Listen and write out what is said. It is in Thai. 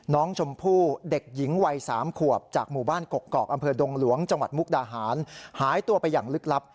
น้องชมพู่เด็กหญิงวัย๓ขวบจากหมู่บ้านกกอกอำเภอดงหลวงจังหวัดมุกดาหารหายตัวไปอย่างลึกลับ